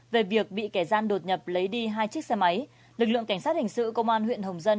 về việc bị kẻ gian đột nhập lấy đi hai chiếc xe máy lực lượng cảnh sát hình sự công an huyện hồng dân